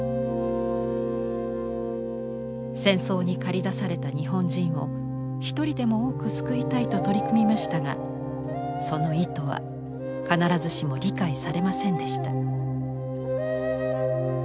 「戦争に駆り出された日本人を一人でも多く救いたい」と取り組みましたがその意図は必ずしも理解されませんでした。